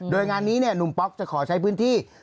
โดยงานนี้หนุ่มป๊อกจะขอใช้พื้นที่